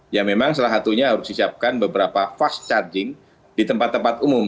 ya memang salah satunya harus disiapkan beberapa fast charging di tempat tempat umum